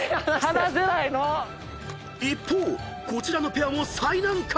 ［一方こちらのペアも最難関］